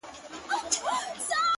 o د يو ښايستې سپيني كوتري په څېر؛